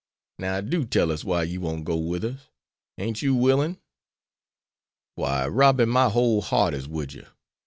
Now, do tell us why you won't go with us. Ain't you willing?" "Why, Robbie, my whole heart is wid you.